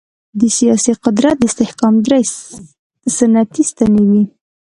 د سیاسي قدرت د استحکام درې سنتي ستنې وې.